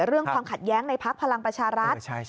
เรื่องความขัดแย้งในภักร์พลังประชารัฐ